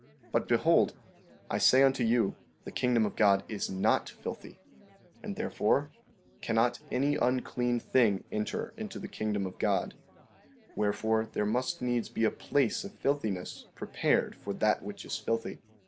15:34 But behold, I say unto you, the kingdom of God is not filthy, and there cannot any unclean thing enter into the kingdom of God; wherefore there must needs be a place of filthiness prepared for that which is filthy.